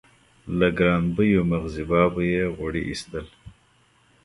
له ګرانبیو مغزبابو یې غوړي اېستل.